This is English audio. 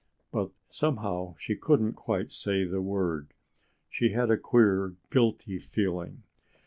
But somehow she couldn't quite say the word. She had a queer, guilty feeling.